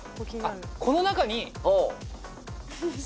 この中に。